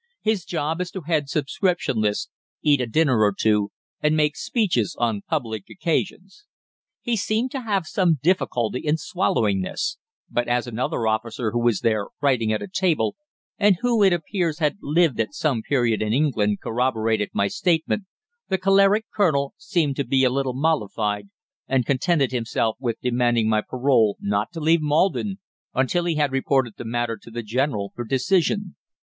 His job is to head subscription lists, eat a dinner or two, and make speeches on public occasions.' "He seemed to have some difficulty in swallowing this, but as another officer who was there, writing at a table, and who, it appears, had lived at some period in England, corroborated my statement, the choleric colonel seemed to be a little mollified, and contented himself with demanding my parole not to leave Maldon until he had reported the matter to the General for decision.